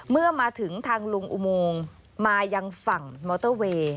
เมื่อมาถึงทางลุงอุโมงมายังฝั่งมอเตอร์เวย์